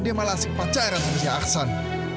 dia malah asyik pacaran sama si aksan